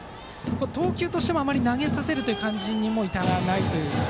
投球としても、あまり投げさせるという感じにも至らないと。